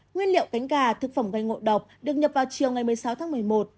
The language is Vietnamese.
nguyên liệu cánh gà thực phẩm gây ngộ độc được nhập vào chiều ngày một mươi sáu tháng một mươi một